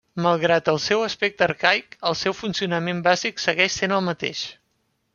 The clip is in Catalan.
Malgrat el seu aspecte arcaic, el seu funcionament bàsic segueix sent el mateix.